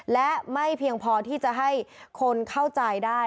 และไม่เพียงพอที่จะให้คนเข้าใจได้